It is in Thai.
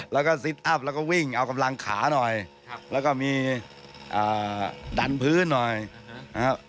แล้วก็ซิตอัพแล้วก็วิ่งเอากำลังขาหน่อยแล้วก็มีดันพื้นหน่อยนะครับ